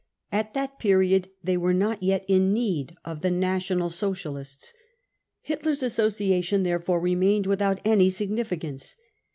At that period they were not yet in need of the National Socialists. Hitler's Association therefore remained without any signi ficance.